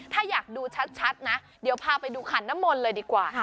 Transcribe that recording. ถ้าอยากดูชัดนะเดี๋ยวพาไปดูขันน้ำมนต์เลยดีกว่า